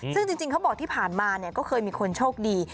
ซึ่งจริงเขาบอกที่ผ่านมาก็เคยมีคนโชคดี